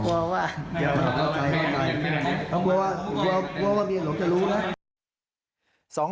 เกลียดว่าเมียหลวงจะรู้นะ